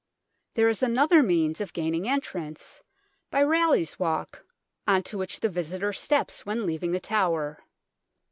There is another means of gaining entrance, by Raleigh's Walk, on to which the visitor steps when leaving the tower.